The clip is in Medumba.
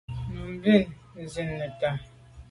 Nummb’a zin neta.